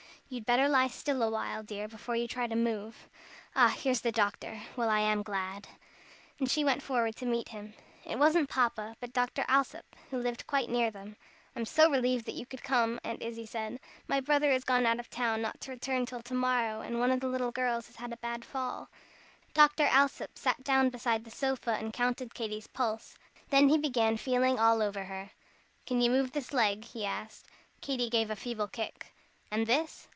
"You'd better lie still a while, dear, before you try to move. Ah, here's the doctor! well, I am glad." And she went forward to meet him. It wasn't Papa, but Dr. Alsop, who lived quite near them. "I am so relieved that you could come," Aunt Izzie said. "My brother is gone out of town not to return till to morrow, and one of the little girls has had a bad fall." Dr. Alsop sat down beside the sofa and counted Katy's pulse. Then he began feeling all over her. "Can you move this leg?" he asked. Katy gave a feeble kick. "And this?"